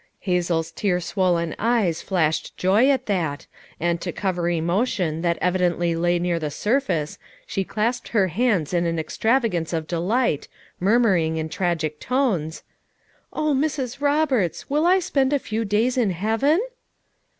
Hazel's teai' swollen eyes flashed joy at that, and to cover emotion that evidently lay near the surface she clasped her hands in an extra vagance of delight, murmuring in tragic tones : "Oh, Mrs. Roberts! will I spend a few days in heaven?'